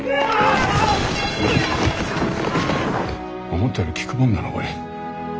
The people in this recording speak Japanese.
思ったより効くもんだなこれ。